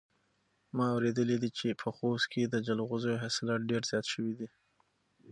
ما اورېدلي دي چې په خوست کې د جلغوزیو حاصلات ډېر زیات شوي دي.